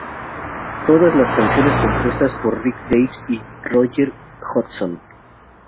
Todas las canciones compuestas por Rick Davies y Roger Hodgson.